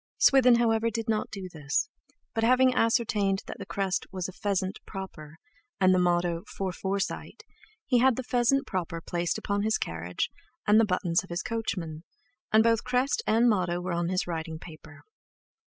Swithin, however, did not do this, but having ascertained that the crest was a "pheasant proper," and the motto "For Forsite," he had the pheasant proper placed upon his carriage and the buttons of his coachman, and both crest and motto on his writing paper.